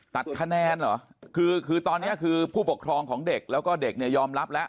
ตัดคะแนนเหรอคือคือตอนนี้คือผู้ปกครองของเด็กแล้วก็เด็กเนี่ยยอมรับแล้ว